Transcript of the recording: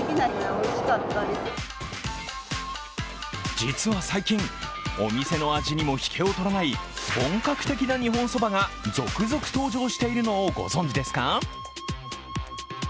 実は最近、お店の味にもひけをとらない、本格的な日本そばが続々登場しているのをご存じですか？